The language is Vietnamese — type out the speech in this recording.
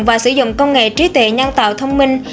và sử dụng công nghệ trí tuệ nhân tạo thông minh